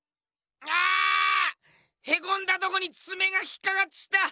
へこんだとこにつめが引っかかっちった！